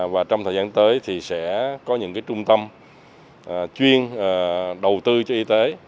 và trong thời gian tới thì sẽ có những trung tâm chuyên đầu tư cho y tế